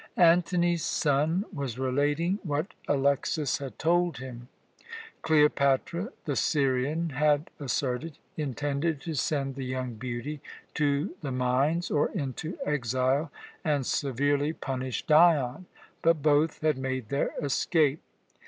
Antony's son was relating what Alexas had told him. Cleopatra, the Syrian had asserted, intended to send the young beauty to the mines or into exile, and severely punish Dion; but both had made their escape.